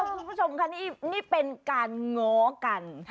คุณผู้ชมค่ะนี่เป็นการง้อกัน